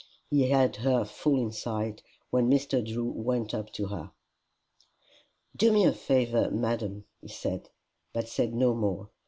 He had her full in sight when Mr. Drew went up to her. "Do me the favour, madam," he said but said no more.